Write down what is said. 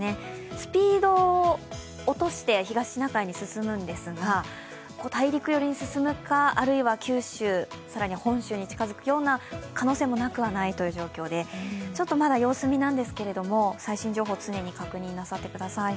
スピードを落として東シナ海に進むんですが、大陸寄りに進むか、あるいは九州、更には本州に近づく可能性もなくはないという状況でまだ様子見なんですけれども、最新情報を常に確認なさってください。